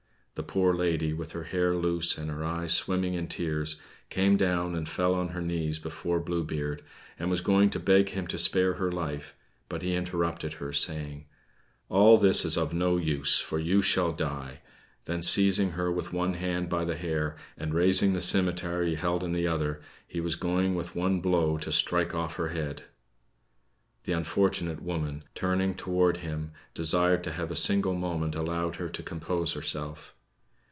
The poor lady, with her hair loose and her eyes swimming in tears, came down, and fell on her knees before Blue Beard, and was going to beg him to spare her life, but he interrupted her, saying: "All this is of no use, for you shall die;" then, seizing her with one hand by the hair, and raising the simitar he held in the other, he was going with one blow to strike off her head. The unfortunate woman, turning toward him, desired to have a single moment allowed her to compose herself.